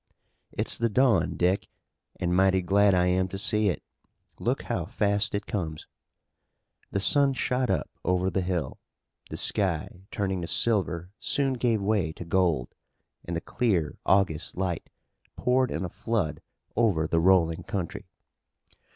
"It's the dawn, Dick, and mighty glad I am to see it. Look how fast it comes!" The sun shot up, over the hill. The sky turning to silver soon gave way to gold, and the clear August light poured in a flood over the rolling country.